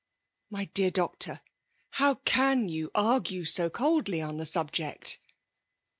''My dear doctor^ how can you a^ue so coldly on the sul^ject